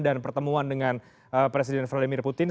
dan pertemuan dengan presiden vladimir putin